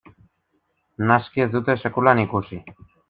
Naski ez dute sekulan ikusi.